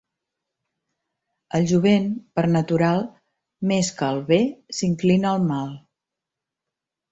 El jovent, per natural, més que al bé, s'inclina al mal.